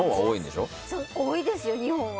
多いですよ、日本は。